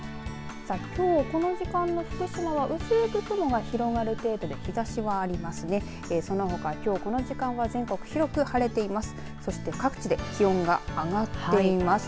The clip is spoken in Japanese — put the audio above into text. きょう、この時間の雲は薄く雲が広がる程度で日ざしはいますのでそのほか、この時間全国広く晴れています。